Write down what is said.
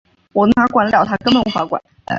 有人怀疑草庵居士的真实身份。